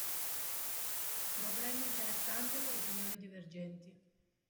Problema interessante per opinioni divergenti.